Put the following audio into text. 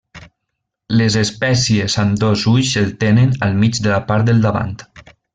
Les espècies amb dos ulls el tenen al mig de la part del davant.